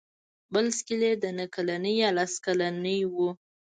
بل سکلیټ د نهه کلنې یا لس کلنې نجلۍ و.